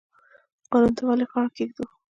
قانون ته ولې غاړه کیږدو؟